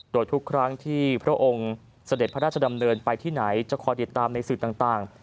โดยทุกครั้งที่พระองค์เสด็จพระราชดำเนินไปที่ไหนจะคอยติดตามในสื่อต่าง